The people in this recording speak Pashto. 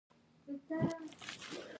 بریتور شپانه راکښته شو د غر نه